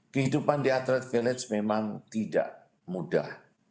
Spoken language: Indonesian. kehidupan di atlet village memang tidak mudah